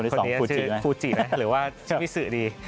คนที่สองฟูจิไหมหรือว่าชื่อวิสุดี